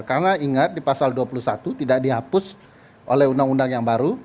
karena ingat di pasal dua puluh satu tidak dihapus oleh undang undang yang baru